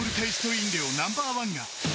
飲料ナンバーワンが